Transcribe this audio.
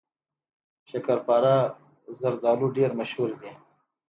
شکرپاره زردالو ډیر مشهور دي.